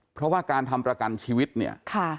เพราะว่าการทำประกันชีวิตเนี่ย